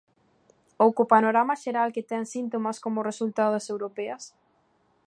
Ou co panorama xeral que ten síntomas como o resultado das europeas?